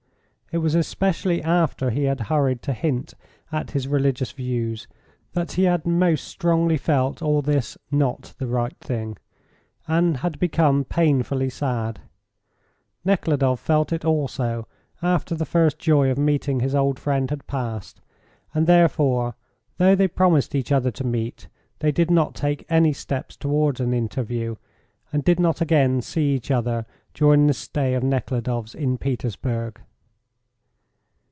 It was especially after he had hurried to hint at his religious views that he had most strongly felt all this "not the right thing," and had become painfully sad. Nekhludoff felt it also after the first joy of meeting his old friend had passed, and therefore, though they promised each other to meet, they did not take any steps towards an interview, and did not again see each other during this stay of Nekhludoff's in Petersburg.